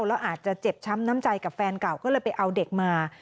แล้วอาจจะเจ็บช้ำน้ำใจกับแฟนเก่าก็เลยไปเอาเด็กมา